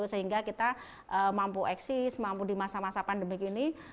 sehingga kita mampu eksis mampu di masa masa pandemi ini